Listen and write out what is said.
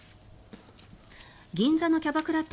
銀座のキャバクラ店